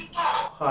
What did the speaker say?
はい。